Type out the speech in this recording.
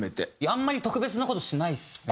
あんまり特別な事しないですね